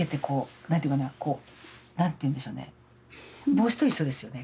帽子と一緒ですよね。